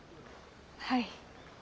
はい。